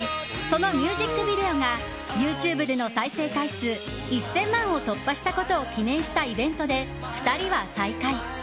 そして一昨年そのミュージックビデオがＹｏｕＴｕｂｅでの再生回数１０００万を突破したことを記念したイベントで２人は再会。